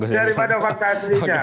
daripada fakta aslinya